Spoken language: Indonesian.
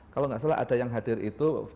kalau nggak salah ada yang hadir itu